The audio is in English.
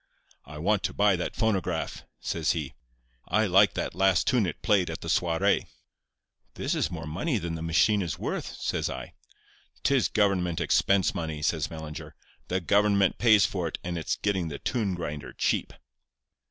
"'I want to buy that phonograph,' says he. 'I liked that last tune it played at the soirée.' "'This is more money than the machine is worth,' says I. "''Tis government expense money,' says Mellinger. 'The government pays for it, and it's getting the tune grinder cheap.